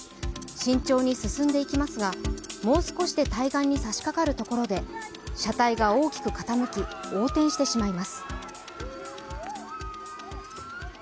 慎重に進んでいきますが、もう少しで対岸にさしかかるところで車体が大きく傾き、横転してしまいます。